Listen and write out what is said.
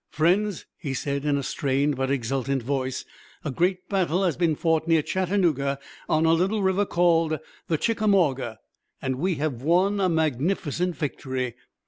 "Friends," he said in a strained, but exultant voice, "a great battle has been fought near Chattanooga on a little river called the Chickamauga, and we have won a magnificent victory."